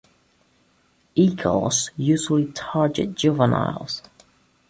Eagles usually target juveniles.